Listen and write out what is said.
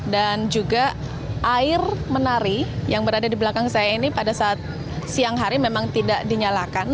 dan juga air menari yang berada di belakang saya ini pada saat siang hari memang tidak dinyalakan